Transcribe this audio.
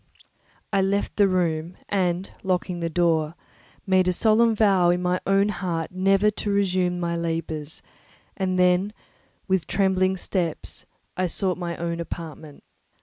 I left the room, and locking the door, made a solemn vow in my own heart never to resume my labours; and then, with trembling steps, I sought my own apartment.